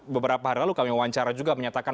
beberapa hari lalu kami wawancara juga menyatakan